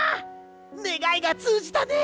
ねがいがつうじたね！